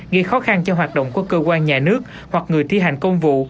gây khó khăn cho hoạt động của cơ quan nhà nước hoặc người thi hành công vụ